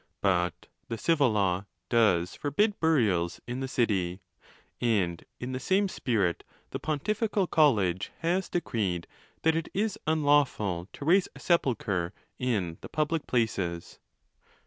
But the civil law does forbid burials. in the city, and in the same spirit the pon 456, ON THE LAWS. tifical college has decreed that it is unlawful to raise a sepulchre in the public places.